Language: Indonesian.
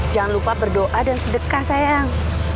jangan lupa berdoa dan sedekah sayang